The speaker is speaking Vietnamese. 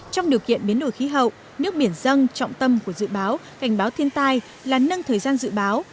trong điều kiện biến đổi khí hậu nước biển dân trọng tâm của dự báo cảnh báo thiên tai là nâng thời gian dự báo